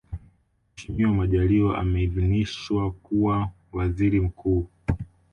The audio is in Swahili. Mheshimiwa Majaliwa ameidhiniswa kuwa Waziri Mkuu